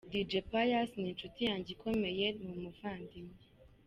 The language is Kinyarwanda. Dj Pius ni inshuti yanjye ikomeye, ni umuvandimwe.